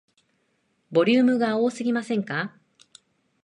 ボリュームが大きすぎませんか